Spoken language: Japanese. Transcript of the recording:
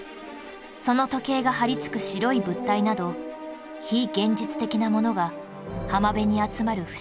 その時計が貼りつく白い物体など非現実的なものが浜辺に集まる不思議な光景